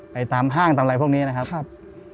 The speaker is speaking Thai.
ตามห้างตามอะไรพวกนี้นะครับ